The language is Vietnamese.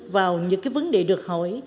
vào những vấn đề được hỏi